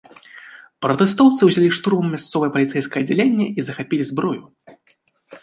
Пратэстоўцы ўзялі штурмам мясцовае паліцэйскае аддзяленне і захапілі зброю.